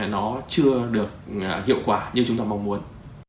nó chưa được hiệu quả như chúng ta mong muốn